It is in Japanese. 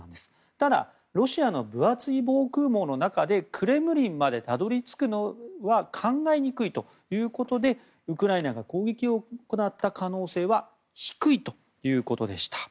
ただ、ロシアの分厚い防空網の中でクレムリンまでたどり着くのは考えにくいということでウクライナが攻撃を行った可能性は低いということでした。